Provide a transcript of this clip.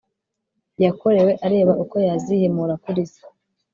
yakorewe, areba uko yazihimura kuri se